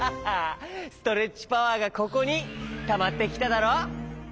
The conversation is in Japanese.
ストレッチパワーがここにたまってきただろ！